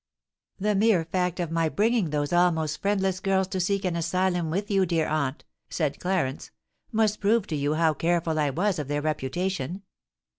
"The mere fact of my bringing those almost friendless girls to seek an asylum with you, dear aunt," said Clarence, "must prove to you how careful I was of their reputation."